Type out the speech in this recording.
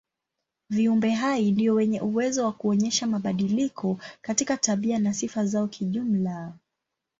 Viumbe hai ndio wenye uwezo wa kuonyesha mabadiliko katika tabia na sifa zao kijumla.